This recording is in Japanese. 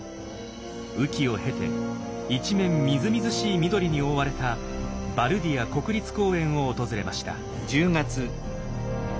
雨季を経て一面みずみずしい緑に覆われたバルディア国立公園を訪れました。